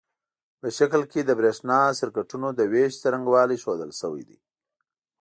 په شکل کې د برېښنا سرکټونو د وېش څرنګوالي ښودل شوي دي.